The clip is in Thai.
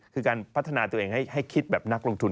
คือการพัฒนาตัวเองให้คิดแบบนักลงทุน